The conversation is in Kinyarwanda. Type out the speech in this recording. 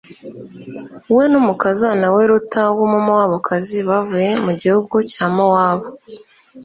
we n'umukazana we ruta w'umumowabukazi, bavuye mu gihugu cya mowabu